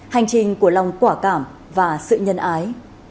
hành trình của lòng quả cảm và sự nhân ái